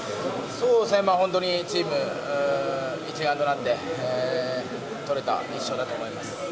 そうですね、本当にチーム一丸となって取れた１勝だと思いま